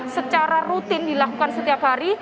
secara rutin dilakukan setiap hari